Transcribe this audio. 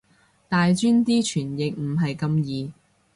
大專啲傳譯唔係咁易